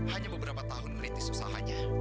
hanya beberapa tahun meneliti susahannya